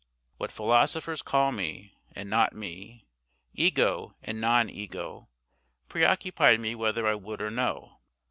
What philosophers call me and not me, ego and non ego, preoccupied me whether I would or no.